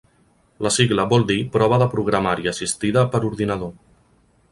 La sigla vol dir "Prova de Programari Assistida per Ordinador".